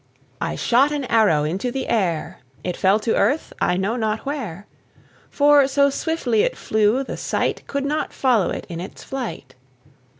I shot an arrow into the air, It fell to earth, I knew not where; For, so swiftly it flew, the sight Could not follow it in its flight.